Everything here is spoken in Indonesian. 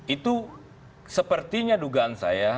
itu sepertinya dugaan saya